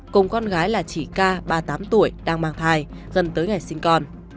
cùng con gái là chị k ba mươi tám tuổi đang mang thai gần tới ngày sinh con